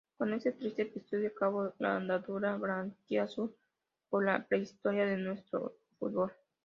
Con este triste episodio acabó la andadura blanquiazul por la prehistoria de nuestro fútbol.